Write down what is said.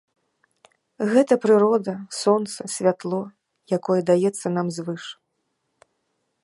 Гэта прырода, сонца, святло, якое даецца нам звыш.